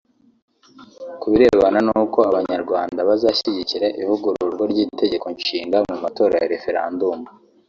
ku birebana n’uko Abanyarwanda bazashyigikira ivugururwa ry’Itegeko Nshinga mu matora ya referendumu